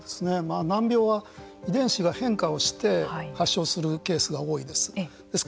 難病は遺伝子が変化をして発症するケースが多いです。